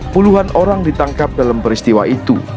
puluhan orang ditangkap dalam peristiwa itu